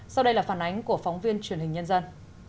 sau đây là phản ánh của phóng viên truyền hình nhân dân